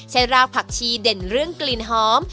รากผักชีเด่นเรื่องกลิ่นหอม